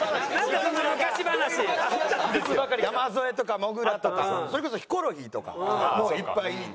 山添とかもぐらとかそれこそヒコロヒーとかもういっぱいいて。